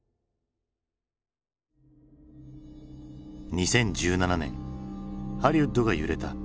２０１７年ハリウッドが揺れた。